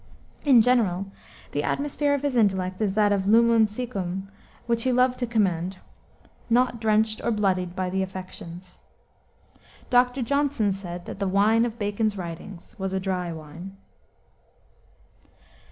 In general, the atmosphere of his intellect is that lumen siccum which he loved to commend, "not drenched or bloodied by the affections." Dr. Johnson said that the wine of Bacon's writings was a dry wine.